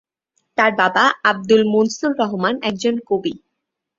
তার বাবা আব্দুল মনসুর রহমান একজন কবি।